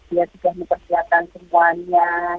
dia sudah memperlihatkan semuanya